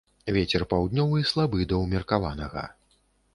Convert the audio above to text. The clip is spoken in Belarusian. Вецер паўднёвы слабы да ўмеркаванага.